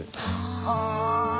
はあ。